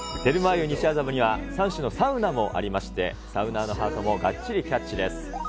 湯西麻布には、３種のサウナもありまして、サウナーのハートもがっちりキャッチです。